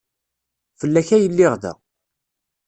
Fell-ak ay lliɣ da.